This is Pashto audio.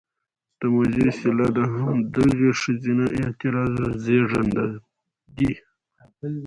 د موذي اصطلاح د همدغې ښځينه اعتراض زېږنده دى: